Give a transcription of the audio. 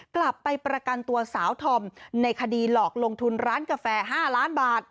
กลับไปประกันตัวสาวธอมในคดีหลอกลงทุนร้านกาแฟ๕ล้านบาท